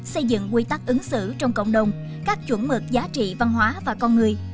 xây dựng quy tắc ứng xử trong cộng đồng các chuẩn mực giá trị văn hóa và con người